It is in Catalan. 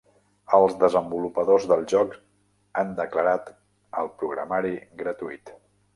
Els desenvolupadors del joc han declarat el programari gratuït.